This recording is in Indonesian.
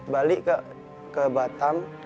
balik ke batam